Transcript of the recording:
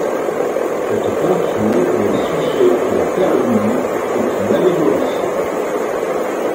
Cette peinture dont le sujet est la calomnie, est une allégorie.